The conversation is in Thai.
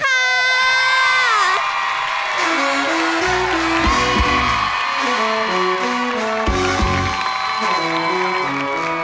เสียงรัก